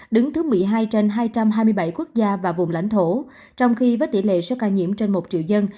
đứng thứ một mươi hai trên hai trăm hai mươi bảy quốc gia và vùng lãnh thổ trong khi với tỷ lệ số ca nhiễm trên một triệu dân